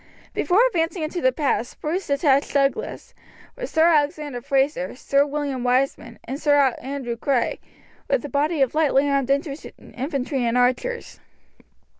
Before advancing into the pass Bruce detached Douglas, with Sir Alexander Frazer, Sir William Wiseman, and Sir Andrew Grey, with a body of lightly armed infantry and archers.